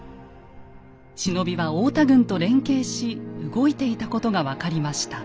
忍びは太田軍と連携し動いていたことが分かりました。